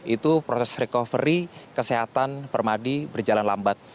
itu proses recovery kesehatan permadi berjalan lambat